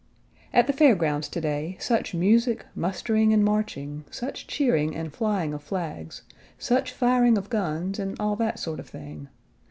At the fair grounds to day, such music, mustering, and marching, such cheering and flying of flags, such firing of guns and all that sort of thing.